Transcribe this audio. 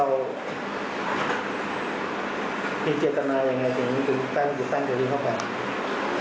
อย่างไรอย่างนี้จุดตั้งจุดตั้งจะดูเข้ากัน